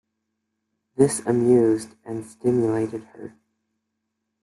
This amused and stimulated her.